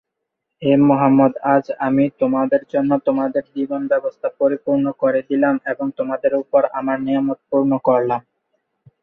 এই গানের প্রথম দশ লাইন বাংলাদেশের জাতীয় সঙ্গীত হিসেবে স্বীকৃত।